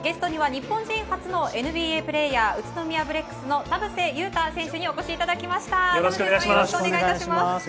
ゲストには日本人初のＮＢＡプレーヤー、宇都宮ブレックスの田臥勇太選手にお越しいただきまよろしくお願いします。